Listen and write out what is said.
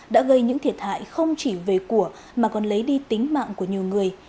đã gây những thiệt hại không chỉ về của mà còn lấy đi tính mạng của nhiều người